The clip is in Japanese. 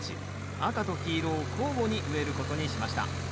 赤と黄色を交互に植えることにしました。